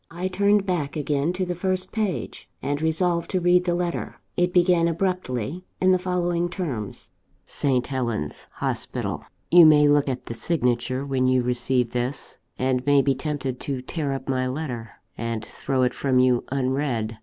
I turned back again to the first page, and resolved to read the letter. It began abruptly, in the following terms: "St. Helen's Hospital. "You may look at the signature when you receive this, and may be tempted to tear up my letter, and throw it from you unread.